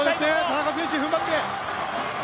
田中選手、踏ん張って！